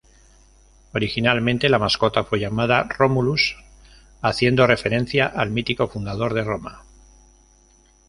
Originalmente la mascota fue llamada Romulus haciendo referencia al mítico fundador de Roma.